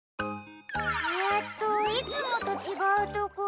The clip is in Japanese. えっといつもとちがうところ。